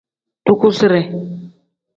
Dugusire.